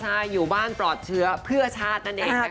ใช่อยู่บ้านปลอดเชื้อเพื่อชาตินั่นเองนะคะ